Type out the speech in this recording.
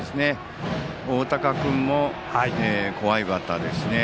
大高君も怖いバッターですしね。